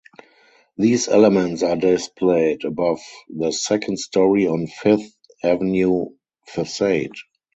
These elements are displayed above the second story on Fifth Avenue facade.